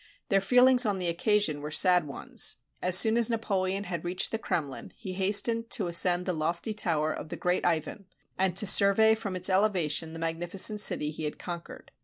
Their feelings on the occasion were sad ones. As soon as Napoleon had reached the Krem lin, he hastened to ascend the lofty tower of the great Ivan, and to survey from its elevation the magnificent city he had conquered.